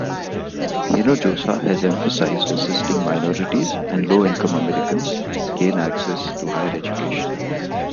Hinojosa has emphasized assisting minorities and low-income Americans gain access to higher education.